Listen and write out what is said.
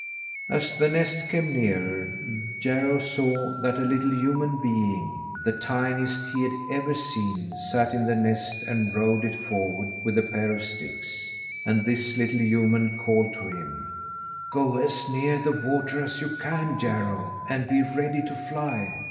As the nest came nearer, Jarro saw that a little human being the tiniest he had ever seen sat in the nest and rowed it forward with a pair of sticks. And this little human called to him: "Go as near the water as you can, Jarro, and be ready to fly.